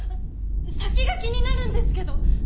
先が気になるんですけど！